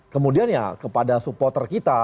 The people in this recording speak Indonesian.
kemudian ya kepada supporter kita